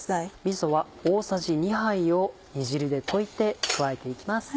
みそは大さじ２杯を煮汁で溶いて加えて行きます。